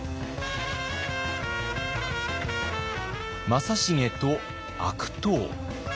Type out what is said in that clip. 正成と悪党。